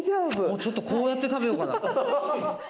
もうちょっとこうやって食べようかな。